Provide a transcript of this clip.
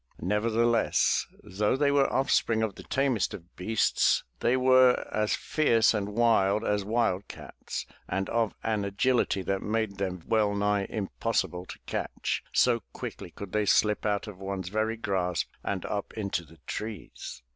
Neverthe less, though they were offspring of the tamest of beasts, they were 344 THE TREASURE CHEST as fierce and wild as wild cats and of an agility that made them well nigh impossible to catch, so quickly could they slip out of one's very grasp and up into the trees.